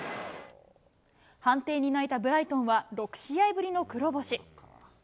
判定に泣いたブライトンは、６試合ぶりの黒星。